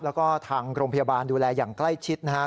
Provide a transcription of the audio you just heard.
แล้วก็ทางโรงพยาบาลดูแลอย่างใกล้ชิดนะฮะ